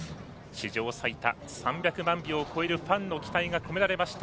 史上最多３００万票を超えたファンの期待が込められました。